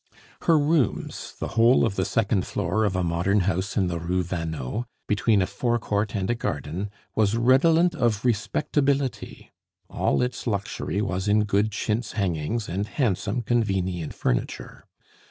Her rooms, the whole of the second floor of a modern house in the Rue Vanneau, between a fore court and a garden, was redolent of respectability. All its luxury was in good chintz hangings and handsome convenient furniture.